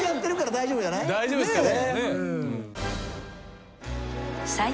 大丈夫ですかね？